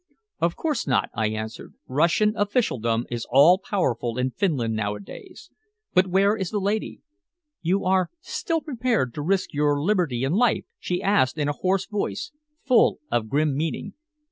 "Of course not," I answered. "Russian officialdom is all powerful in Finland nowadays. But where is the lady?" "You are still prepared to risk your liberty and life?" she asked in a hoarse voice, full of grim meaning.